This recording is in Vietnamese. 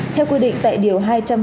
theo quy định tại điều hai trăm ba mươi năm